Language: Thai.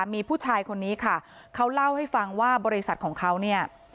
มีผู้ชายคนนี้ค่ะเขาเล่าให้ฟังว่าบริษัทของเขาเนี่ย